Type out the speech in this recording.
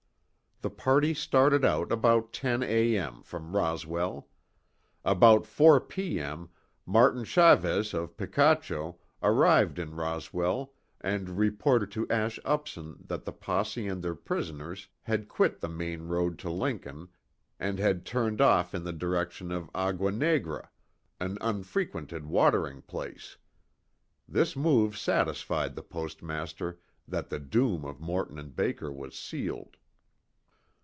The party started out about 10 A. M. from Roswell. About 4 P. M., Martin Chavez of Picacho, arrived in Roswell and reported to Ash Upson that the posse and their prisoners had quit the main road to Lincoln and had turned off in the direction of Agua Negra, an unfrequented watering place. This move satisfied the postmaster that the doom of Morton and Baker was sealed.